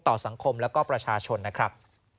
สังคมและก็ประชาชนนะครับ